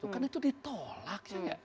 kan itu ditolak